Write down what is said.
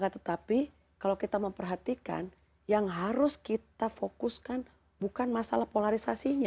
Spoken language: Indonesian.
tetapi kalau kita memperhatikan yang harus kita fokuskan bukan masalah polarisasinya